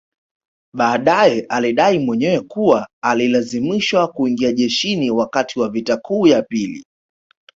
Baadae alidai mwenyewe kuwa alilazimishwa kuingia jeshini wakati wa vita kuu ya pili